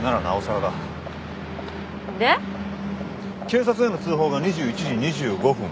警察への通報が２１時２５分。